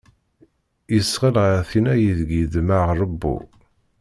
Yesɣel ɣer tinna ideg yeḍmeɛ ṛewwu.